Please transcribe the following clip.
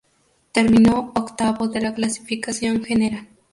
Terminó octavo de la clasificación general.